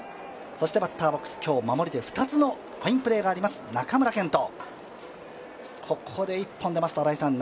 バッターボックス、今日、２つのファインプレーがあります中村健人。